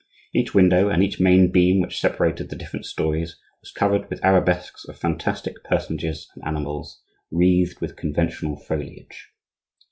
Each window, and each main beam which separated the different storeys, was covered with arabesques of fantastic personages and animals wreathed with conventional foliage.